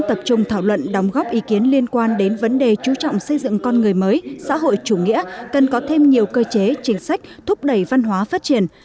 theo ý kiến liên quan đến vấn đề chú trọng xây dựng con người mới xã hội chủ nghĩa cần có thêm nhiều cơ chế chính sách thúc đẩy văn hóa phát triển